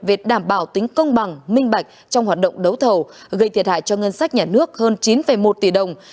về đảm bảo tính công bằng minh bạch trong hoạt động đấu thầu gây thiệt hại cho ngân sách nhà nước hơn chín một tỷ đồng